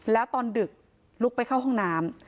แล้วตอนดึกลุกไปเข้าห้องน้ำ